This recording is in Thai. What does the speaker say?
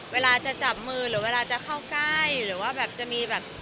เวลาจะจับมือหรือเวลาจะเข้าใกล้หรือว่าแบบจะมีแบบ